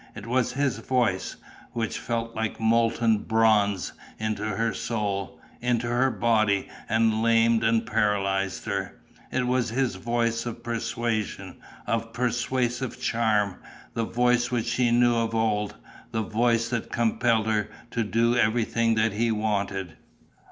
It was his voice, which fell like molten bronze into her soul, into her body, and lamed and paralysed her. It was his voice of persuasion, of persuasive charm, the voice which she knew of old, the voice that compelled her to do everything that he wanted.